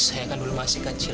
saya kan dulu masih kecil